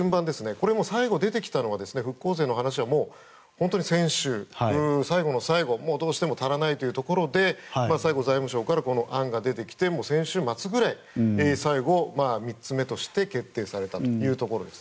これも最後、出てきたのは復興税の話は本当に先週最後の最後、どうしても足らないというところで最後、財務省からこの案が出てきて先週末ぐらいに最後、３つ目として決定されたというところです。